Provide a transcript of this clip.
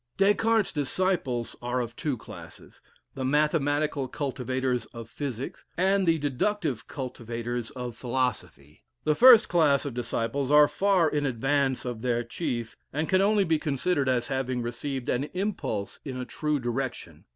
Des Cartes's disciples are of two classes, the "mathematical cultivators of physic," and the "deductive cultivators of philosophy." The first class of disciples are far in advance of their chief, and can only be considered as having received an impulse in a true direction.